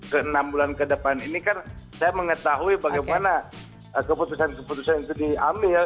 ke enam bulan ke depan ini kan saya mengetahui bagaimana keputusan keputusan itu diambil ya